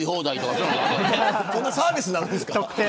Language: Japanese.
どんなサービスなんですか。